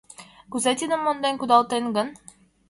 Кузе тидым монден кудалтен гын?